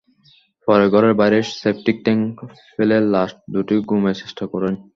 পরে ঘরের বাইরে সেপটিক ট্যাংকে ফেলে লাশ দুটি গুমের চেষ্টা করেন।